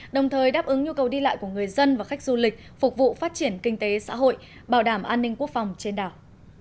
đồng thời đáp ứng nhu cầu đi lại của người dân và khách du lịch phục vụ phát triển kinh tế xã hội bảo đảm an ninh quốc phòng trên đảo